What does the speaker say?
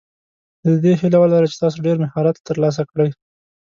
د دې هیله ولره چې تاسو ډېر مهارت ترلاسه کړئ.